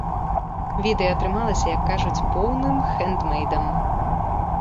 Відэа атрымалася, як кажуць, поўным хэндмэйдам.